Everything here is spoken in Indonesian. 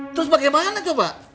terus bagaimana coba